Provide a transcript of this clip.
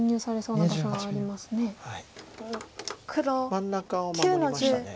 真ん中を守りました。